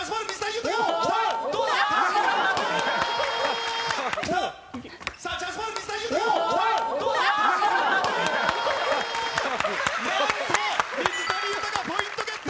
なんと水谷豊ポイントゲット！